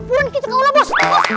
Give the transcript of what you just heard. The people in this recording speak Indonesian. burung kita gaulah bos